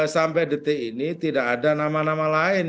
sampai detik ini tidak ada nama nama lain